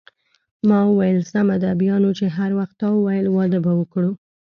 ما وویل: سمه ده، بیا نو چې هر وخت تا وویل واده به وکړو.